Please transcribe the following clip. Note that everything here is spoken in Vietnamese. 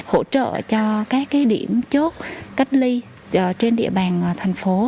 hỗ trợ cho các điểm chốt cách ly trên địa bàn thành phố